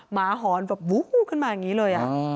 หอนแบบวูบขึ้นมาอย่างนี้เลย